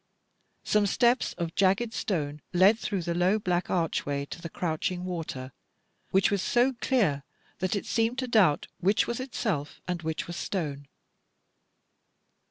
Some steps of jagged stone led through the low black archway to the crouching water, which was so clear that it seemed to doubt which was itself and which was stone.